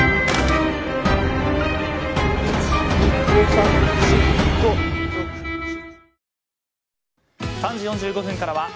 １２３４５６７。